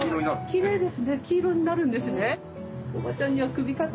きれいです。